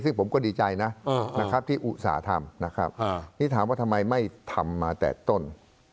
ซึ่งผมก็ดีใจนะนะครับที่อุตส่าห์ทำนะครับนี่ถามว่าทำไมไม่ทำมาแต่ต้น